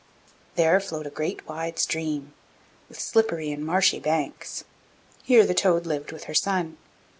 There flowed a great wide stream, with slippery and marshy banks; here the toad lived with her son.